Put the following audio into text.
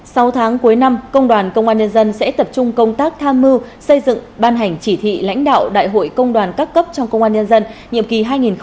sau tháng cuối năm công đoàn công an nhân dân sẽ tập trung công tác tham mưu xây dựng ban hành chỉ thị lãnh đạo đại hội công đoàn các cấp trong công an nhân dân nhiệm kỳ hai nghìn hai mươi hai nghìn hai mươi sáu